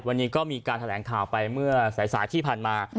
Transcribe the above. วันนี้ก็มีการแถลงข่าวไปเมื่อสายที่ผ่านมา